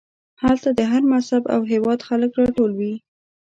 هلته د هر مذهب او هېواد خلک راټول وي.